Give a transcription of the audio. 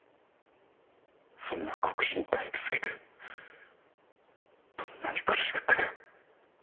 そんな酷使に耐え続けてどんなに苦しかったか。